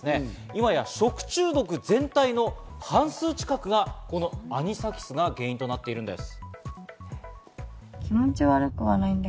今や食中毒全体の半数近くがこのアニサキスが原因となっているんです。